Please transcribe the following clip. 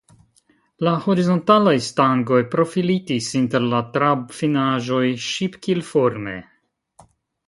La horizontalaj stangoj profilitis inter la trabfinaĵoj ŝipkilforme.